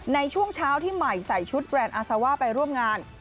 ในช่วงเช้าที่ใหม่ใส่ชุดแบรนด์อาซาว่าไปร่วมงาน